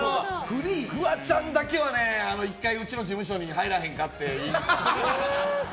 フワちゃんだけはね１回うちの事務所に入らへんかって。